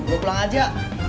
lu pulang aja